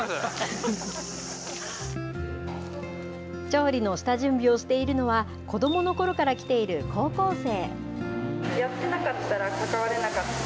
調理の下準備をしているのは、子どものころから来ている高校生。